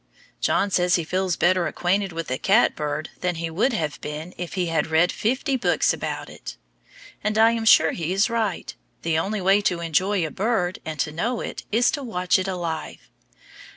John says he feels better acquainted with the catbird than he would have been if he had read fifty books about it. And I am sure he is right. The only way to enjoy a bird and to know it, is to watch it alive.